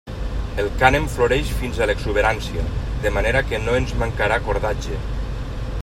El cànem floreix fins a l'exuberància, de manera que no ens mancarà cordatge.